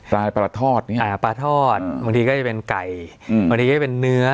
ได้ปลาทอดเนี้ยอ่าปลาทอดอืมบางทีก็จะเป็นไก่อืมบางทีก็จะเป็นเนื้อ